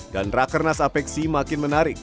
dan rakernas apeksi makin menarik